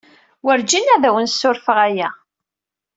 Werǧin ad awen-ssurfeɣ aya.